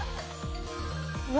うわ。